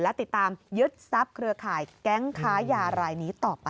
และติดตามยึดทรัพย์เครือข่ายแก๊งค้ายารายนี้ต่อไป